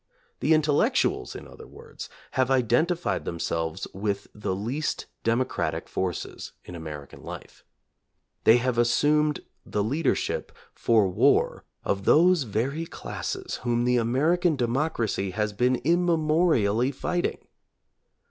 The intellectuals, in other words, have identified themselves with the least democratic forces in American life. They have assumed the leadership for war of those very classes whom the American democracy has been immemorially fight ing.